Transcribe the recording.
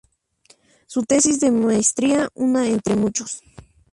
Su tesis de maestría "Una entre muchos.